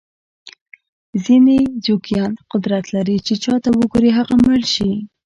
ځینې جوګیان قدرت لري چې چاته وګوري هغه مړ شي.